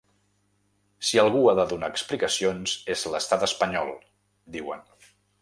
Si algú ha de donar explicacions, és l’estat espanyol, diuen.